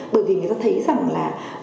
bởi vì người ta thấy rằng là